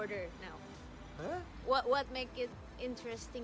kenapa kamu ingin pergi ke perjalanan